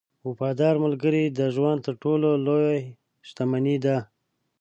• وفادار ملګری د ژوند تر ټولو لوی شتمنۍ ده.